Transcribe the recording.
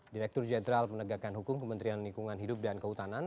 direktur jenderal penegakan hukum kementerian lingkungan hidup dan kehutanan